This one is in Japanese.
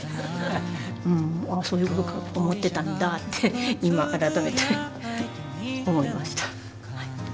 そういうこと思ってたんだって今改めて思いました。